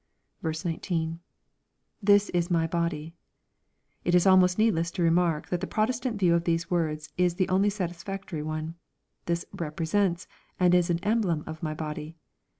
19. — [This is my body.] It is almost needless to remark that the Protestant view of these words is the only satisfactory one :" This represents and is an emblem of my body."